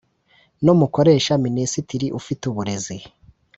n umukoresha Minisitiri ufite uburezi